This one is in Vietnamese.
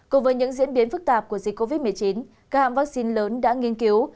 cùng với những diễn biến phức tạp của dịch covid một mươi chín các hạng vaccine lớn đã nghiên cứu